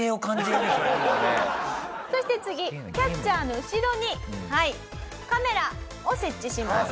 そして次キャッチャーの後ろにカメラを設置します。